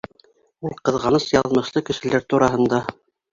Ул ҡыҙғаныс яҙмышлы кешеләр тураһында.